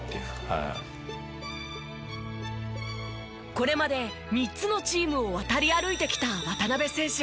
これまで３つのチームを渡り歩いてきた渡邊選手。